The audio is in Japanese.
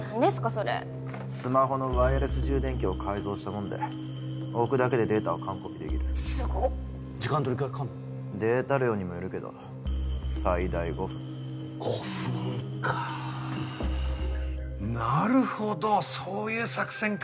それスマホのワイヤレス充電器を改造したもんで置くだけでデータを完コピできるデータ量にもよるけど最大５分５分かなるほどそういう作戦か。